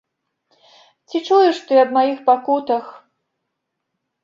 Ці чуеш ты аб маіх пакутах?